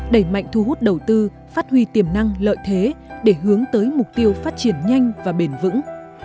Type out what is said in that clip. đẩy mạnh thu hút đầu tư phát huy tiềm năng lợi thế để hướng tới mục tiêu phát triển nhanh và bền vững